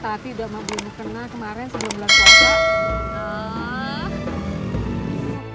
tati udah sama bimu kenang kemarin sebelum belakang